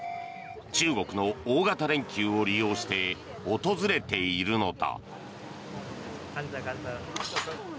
中国の大型連休を利用して訪れているのだ。